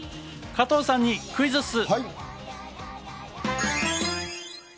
加藤さんにクイズッス！